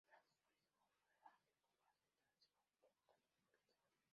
Durante su periodo como modelo, Angel ocupó las portadas de "Vogue" y "Cosmopolitan".